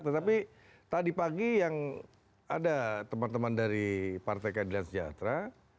tetapi tadi pagi yang ada teman teman dari partai keadilan sejahtera